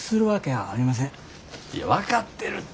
いや分かってるって。